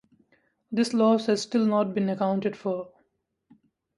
This loss has still not been accounted for.